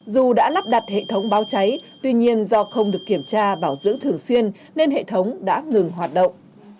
dù đã lắp đặt hệ thống báo cháy tuy nhiên do không được kiểm tra bảo dưỡng thường xuyên nên hệ thống đã ngừng hoạt động